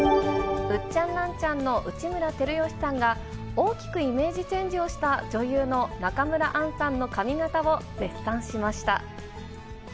ウッチャンナンチャンの内村光良さんが、大きくイメージチェンジをした女優の中村アンさんの髪形を絶賛しました。